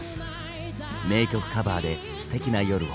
名曲カバーですてきな夜を。